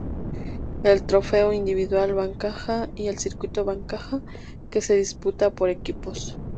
El Trofeo Individual Bancaja y el Circuito Bancaja que se disputa por equipos.